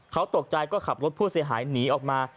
เขาตกใจก็ขับรถผู้เสียหายหนีออกมา